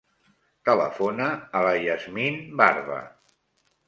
Telefona a la Yasmin Barba.